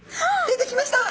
出てきました！